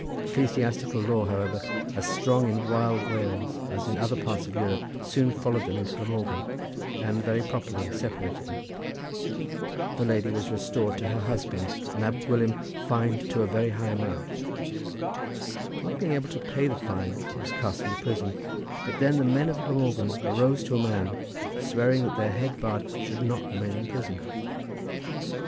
Ecclesiastical law, however, as strong in Wild Wales as in other parts of Europe, soon followed them into Glamorgan, and, very properly, separated them. The lady was restored to her husband, and Ab Gwilym fined to a very high amount. Not being able to pay the fine he was cast into prison; but then the men of Glamorgan arose to a man, swearing that their head bard should not remain in prison.